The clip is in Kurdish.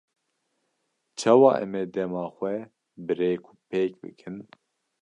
Çawa em ê dema xwe bi rêkûpêk bikin?